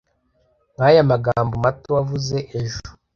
nkaya magambo mato wavuze ejo.